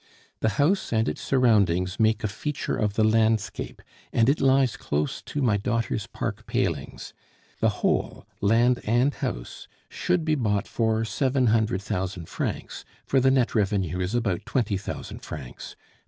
The house and its surroundings make a feature of the landscape, and it lies close to my daughter's park palings. The whole, land and house, should be bought for seven hundred thousand francs, for the net revenue is about twenty thousand francs....